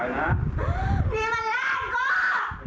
นี่มันร้านก็